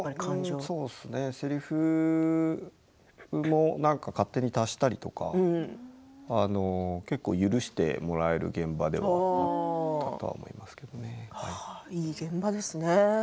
せりふも、なんか勝手に足したりとか結構、許してもらえる現場ではいい現場ですね。